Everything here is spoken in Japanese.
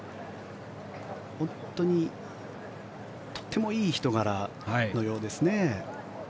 本当にとてもいい人柄のようですね。